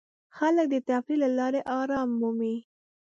خلک د تفریح له لارې آرام مومي.